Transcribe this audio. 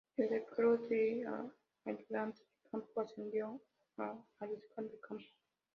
Desde el cargo de ayudante de campo ascendió a Mariscal de Campo.